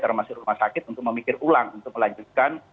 termasuk rumah sakit untuk memikir ulang untuk melanjutkan